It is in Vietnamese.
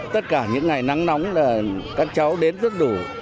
tất cả những ngày nắng nóng là các cháu đến rất đủ